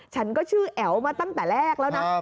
ฉันก็ชื่อแอ๋วมาตั้งแต่แรกแล้วนะ